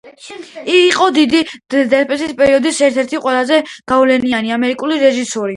იყო დიდი დეპრესიის პერიოდის ერთ-ერთი ყველაზე გავლენიანი ამერიკელი რეჟისორი.